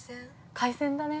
海鮮だね。